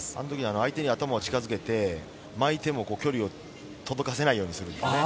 相手に頭を近づけて巻いても距離を届かせないようにする。